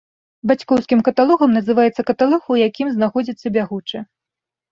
Бацькоўскім каталогам называецца каталог, у якім знаходзіцца бягучы.